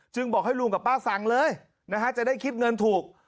บอกให้ลุงกับป้าสั่งเลยนะฮะจะได้คิดเงินถูก